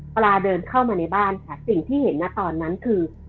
ปลาเดินเข้ามาในบ้านค่ะสิ่งที่เห็นนะตอนนั้นคือ